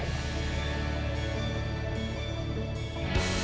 setelah selesai dipakai mobil akan diambil oleh kustodian